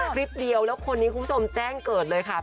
คลิปเดียวแล้วคนนี้คุณผู้ชมแจ้งเกิดเลยค่ะ